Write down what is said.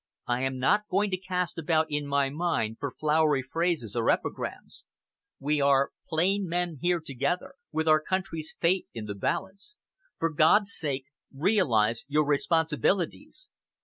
"I am not going to cast about in my mind for flowery phrases or epigrams. We are plain men here together, with our country's fate in the balance. For God's sake, realise your responsibilities.